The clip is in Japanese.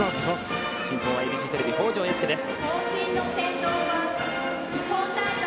進行はＡＢＣテレビ北條瑛祐です。